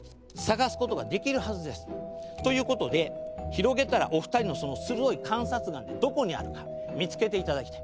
ということで広げたらお二人のその鋭い観察眼でどこにあるか見つけていただきたい。